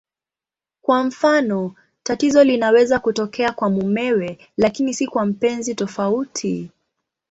Kwa mfano, tatizo linaweza kutokea kwa mumewe lakini si kwa mpenzi tofauti.